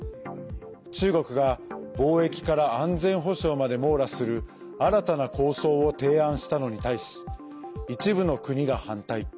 中国が貿易から安全保障まで網羅する新たな構想を提案したのに対し一部の国が反対。